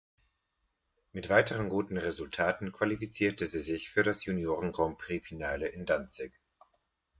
Mit weiteren guten Resultaten qualifizierte sie sich für das Junioren-Grand-Prix-Finale in Danzig.